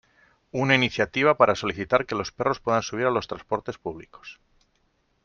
Una iniciativa para solicitar que los perros puedan subir a los transportes públicos.